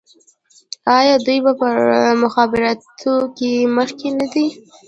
آیا دوی په مخابراتو کې مخکې نه دي؟